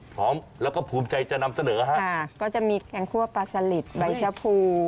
พร้อมแล้วก็ภูมิใจจะนำเสนอฮะค่ะก็จะมีแกงคั่วปลาสลิดใบชะพู